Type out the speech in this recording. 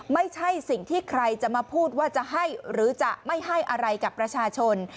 ไม่ใช่สิ่งที่ใครจะมาพูดว่าจะให้หรือจะไม่ให้อะไรกับประชาชน